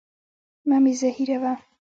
مه مي زهيروه.